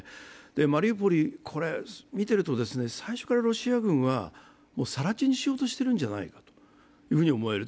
マリウポリ、見ていると最初からロシア軍は更地にしようとしているんじゃないかと思える。